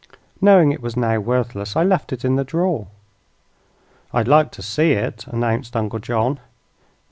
Knowing it was now worthless, I left it in the drawer." "I'd like to see it," announced Uncle John.